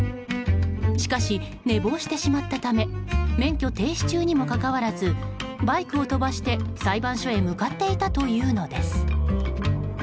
しかし、寝坊してしまったため免許停止中にもかかわらずバイクを飛ばして、裁判所へ向かっていたというのです。